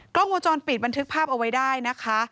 กล้องวงจรปิดบันทึกภาพเอาไว้ได้นะคะ